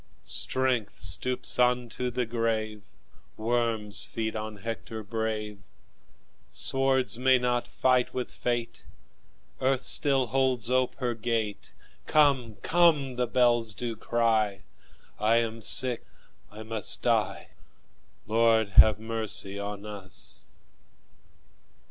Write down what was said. Strength stoops unto the grave, Worms feed on Hector brave; Swords may not fight with fate; Earth still holds ope her gate; Come, come! the bells do cry; I am sick, I must die Lord, have mercy on us!